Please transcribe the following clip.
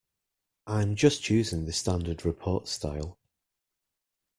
I'm just using the standard report style.